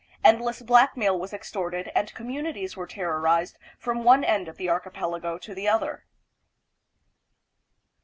Endless blackmail was extorted and communities were terrorized from one end of the archi pelago to the other.